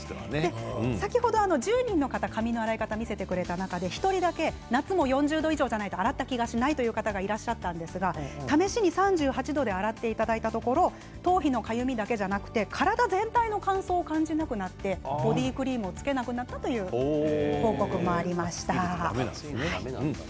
先ほど１０人、髪の洗い方見せてくれた方の中で夏も４０度じゃないと洗った感じがしないという方試しに３８度で洗っていただいたところ頭皮のかゆみだけではなく体全体の乾燥を感じなくなってボディークリームをつけなくなったという報告もありました。